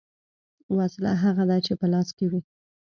ـ وسله هغه ده چې په لاس کې وي .